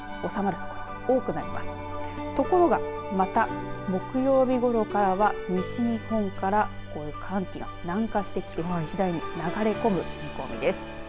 ところがまた木曜日ごろからは西日本からこう寒気が南下してきて次第に流れ込む見込みです。